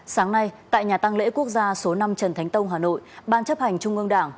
sáng nay tại nhà tăng lễ quốc gia số năm trần thánh tông hà nội ban chấp hành trung ương đảng